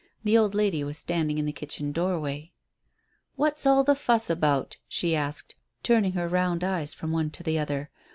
The old lady was standing in the kitchen doorway. "What's all the fuss about?" she asked, turning her round eyes from one to the other.